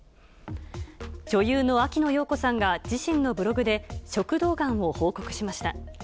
女優の秋野暢子さんが自身のブログで食道がんを報告しました。